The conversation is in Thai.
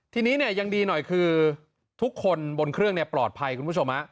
ทีนี้เนี่ยยังดีหน่อยคือทุกคนบนเครื่องปลอดภัยคุณผู้ชม